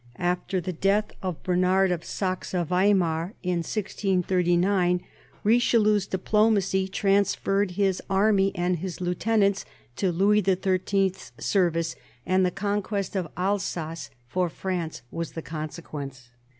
After the death of Bernard of Saxe Weimar in 1639, Richelieu's diplomacy transferred his army and his lieu tenants to Louis XIII. 's service, and the conquest of Alsace for France was the consequence.